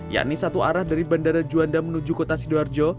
yakni satu arah dari bandara juanda menuju kota sidoarjo